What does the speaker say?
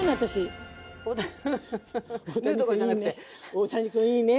大谷くんいいね。